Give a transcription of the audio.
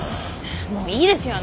もういいですよ